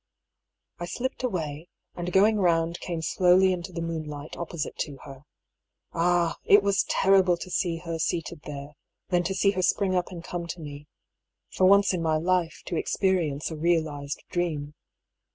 I slipped away, and going round came slowly into the moonlight opposite to her. Ah ! it was terrible to see her seated there, then to see her spring up and come to me — ^for once in my life, to experience a real ised dream.